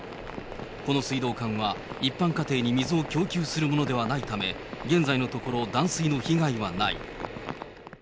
この水道管は、一般家庭に水を供給するものではないため、現在のところ、断水の被害はない。